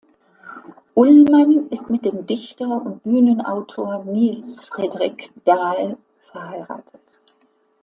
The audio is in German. Ullmann ist mit dem Dichter und Bühnenautor Niels Fredrik Dahl verheiratet.